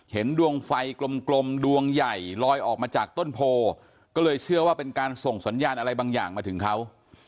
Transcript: ดวงไฟกลมดวงใหญ่ลอยออกมาจากต้นโพก็เลยเชื่อว่าเป็นการส่งสัญญาณอะไรบางอย่างมาถึงเขา